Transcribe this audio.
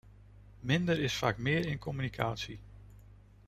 Minder is vaak meer in communicatie.